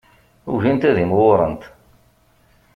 Ugint ad imɣurent.